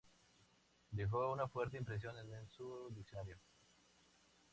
Dejó una fuerte impresión en su diccionario.